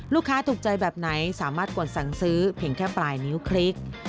ลูกค้าถูกใจแบบไหนสามารถกดสั่งซื้อเพียงแค่ปลายนิ้วคลิก